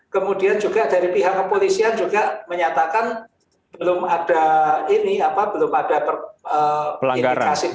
kemudian juga dari pihak kepolisian juga menyatakan belum ada ini belum ada perindikasi pelanggaran